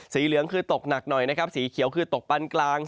สีเหลืองคือตกหนักหน่อยสีเขียวคือตกบรรกลาง